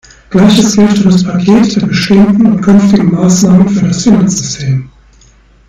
Gleiches gilt für das Paket der bestehenden und künftigen Maßnahmen für das Finanzsystem.